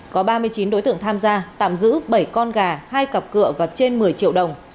có ba mươi chín đối tượng tham gia tạm giữ bảy con gà hai cặp cựa và trên một mươi triệu đồng